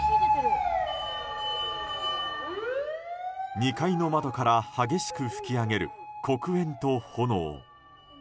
２階の窓から激しく噴き上げる黒煙と炎。